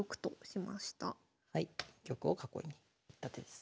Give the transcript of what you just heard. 玉を囲いにいった手です。